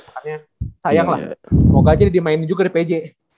makanya sayang lah semoga aja dia dimainin juga di p i j